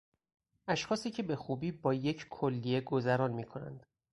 اشخاصی که به خوبی با یک کلیه گذران میکنند